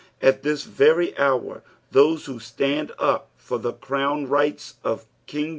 At this very hour, those who stand up for the crown rights of King